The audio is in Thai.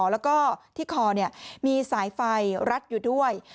แล้วก็ที่คอมีสายไฟรัดอยู่ด้วย